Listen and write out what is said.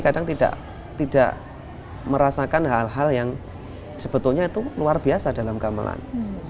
kadang tidak merasakan hal hal yang sebetulnya itu luar biasa dalam gamelan